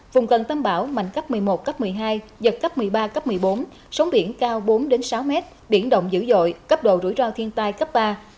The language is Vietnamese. vùng gần tâm bảo mạnh cấp một mươi một cấp một mươi hai dập cấp một mươi ba cấp một mươi bốn sống biển cao bốn đến sáu m biển động dữ dội cấp độ rủi ro thiên tai cấp ba